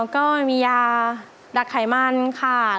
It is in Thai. ก็มียาดักไขมันขาด